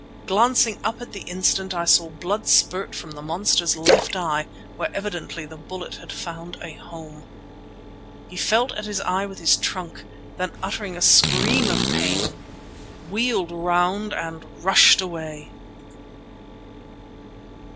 Glancing up at the instant, I saw blood spurt from the monster's left eye, where evidently the bullet had found a home. He felt at his eye with his trunk; then, uttering a scream of pain, wheeled round and rushed away.